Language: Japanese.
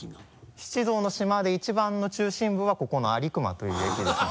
七道の島で一番の中心部はここの安里隈という駅ですね。